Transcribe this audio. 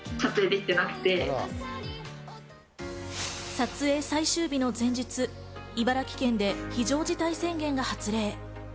撮影最終日の前日、茨城県で非常事態宣言が発令。